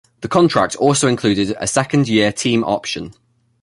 The contract also included a second-year team option.